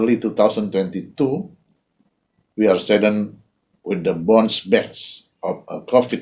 kami sedang berada di belakang kebanyakan kejadian covid sembilan belas